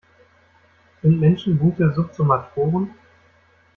Sind Menschen gute Subsummatoren?